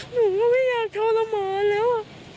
หนูก็ไม่อยากทะละมามันเลย